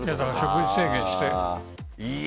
食事制限して。